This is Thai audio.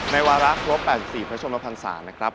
ในวารักษ์บริปรับ๘๔พระชมพันธ์ศาลนะครับ